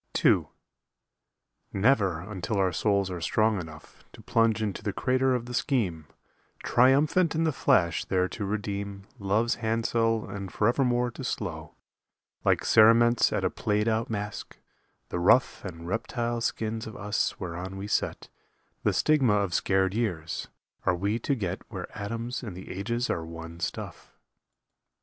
II Never until our souls are strong enough To plunge into the crater of the Scheme Triumphant in the flash there to redeem Love's handsel and forevermore to slough, Like cerements at a played out masque, the rough And reptile skins of us whereon we set The stigma of scared years are we to get Where atoms and the ages are one stuff.